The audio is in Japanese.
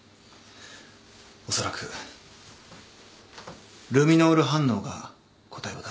おそらくルミノール反応が答えを出すでしょう。